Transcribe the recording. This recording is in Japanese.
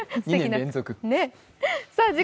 ２年連続。